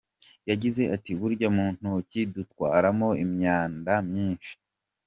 Yagize ati "burya mu ntoki dutwaramo imyanda myinshi.